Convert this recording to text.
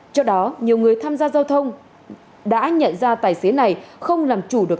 trước đó nhiều người tham gia giao thông đã nhận ra tài xế này không làm chủ được